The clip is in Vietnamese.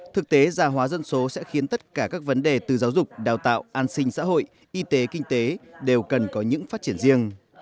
thực tế gia hóa dân số sẽ khiến tất cả các vấn đề từ giáo dục đào tạo an sinh xã hội y tế kinh tế đều cần có những phát triển riêng